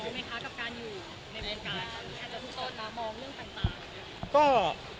อาจจะพูดส้อมกับมองเรื่องต่าง